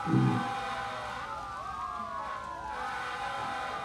Traductora además de fotógrafa aficionada, comenzó publicando en diarios locales.